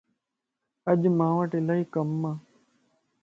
اڄ مانوٽ الائي ڪمَ